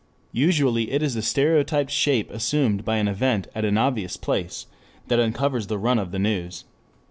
Usually it is the stereotyped shape assumed by an event at an obvious place that uncovers the run of the news.